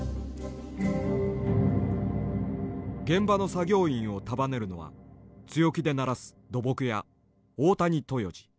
現場の作業員を束ねるのは強気でならす土木屋大谷豊二。